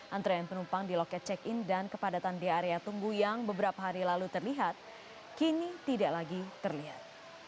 antrean penumpang di loket check in dan kepadatan di area tunggu yang beberapa hari lalu terlihat kini tidak lagi terlihat